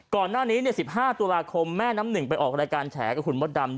ก่อนหน้านี้๑๕ตุลาคมแม่น้ำหนึ่งไปออกรายการแฉกับคุณมดดำ